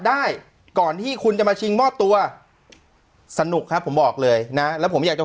ได้ก่อนที่คุณจะมาชิงมอบตัวสนุกครับผมบอกเลยนะแล้วผมอยากจะ